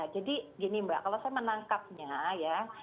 jadi gini mbak kalau saya menangkapnya ya